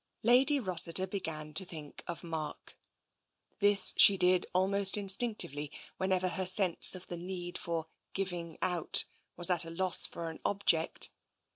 Lady Rossiter began to think of Mark. This she did almost instinctively whenever her sense of the need for " giving out " was at a loss for an object.